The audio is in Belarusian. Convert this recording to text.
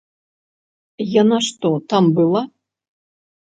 Яна што, там была?